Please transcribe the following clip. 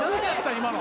今の。